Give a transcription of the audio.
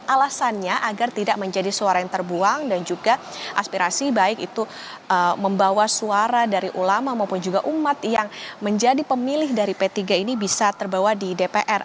alasannya agar tidak menjadi suara yang terbuang dan juga aspirasi baik itu membawa suara dari ulama maupun juga umat yang menjadi pemilih dari p tiga ini bisa terbawa di dpr